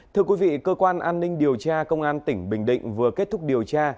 thưa quý vị cơ quan an ninh điều tra công an tỉnh bình định vừa kết thúc điều tra